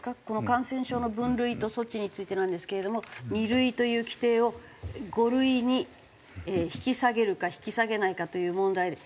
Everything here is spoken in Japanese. この感染症の分類と措置についてなんですけれども２類という規定を５類に引き下げるか引き下げないかという問題。